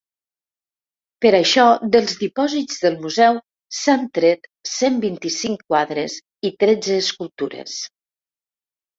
Per això, dels dipòsits del museu s’han tret cent vint-i-cinc quadres i tretze escultures.